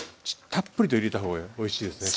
たっぷりと入れた方がおいしいですね。